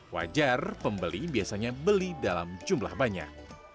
wajar pembeli biasanya beli dalam jumlah banyak